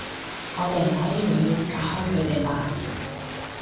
我哋唔可以永遠隔開佢哋嘛